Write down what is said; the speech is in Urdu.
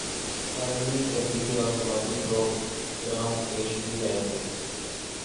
تعلیمی ، تفریحی اور سماجی پرو گرامز پیش کیے جائیں گے